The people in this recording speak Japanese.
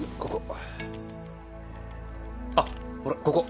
あっほらここ。